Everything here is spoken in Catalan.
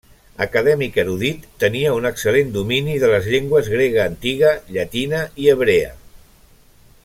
Acadèmic erudit, tenia un excel·lent domini de les llengües grega antiga, llatina i hebrea.